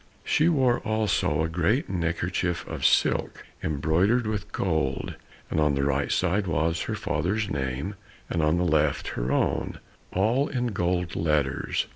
She wore also a great neck kerchief of silk embroidered with gold, and on the right side was her father's name, and on the left her own, all in golden letters.